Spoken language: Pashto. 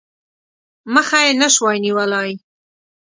مخه یې نه سوای نیولای.